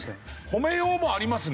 褒めようもありますね